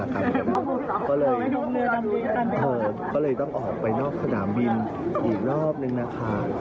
ก็เลยต้องออกไปนอกสนามบินอีกรอบนึงนะคะ